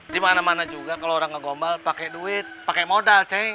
di mana mana juga kalau orang ngegombal pakai duit pakai modal